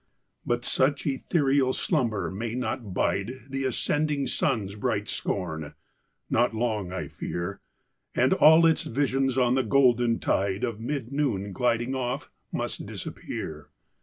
But such ethereal slumber may not bide The ascending sun's bright scorn not long, I fear; And all its visions on the golden tide Of mid noon gliding off, must disappear.